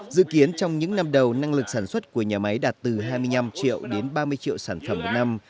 dự kiến trong những năm đầu năng lực sản xuất của nhà máy đạt từ hai mươi năm triệu đến ba mươi triệu sản phẩm một năm